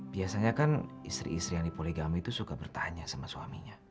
biasanya kan istri istri yang di poligami itu suka bertanya sama suaminya